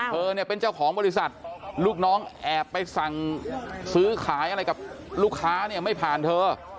เธอเนี่ยเป็นเจ้าของบริษัทลูกน้องแอบไปสั่งซื้อขายอะไรกับลูกค้าเนี่ยไม่ผ่านเธอ